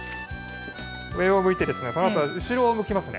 上を向いて、このあとは後ろを向きますね。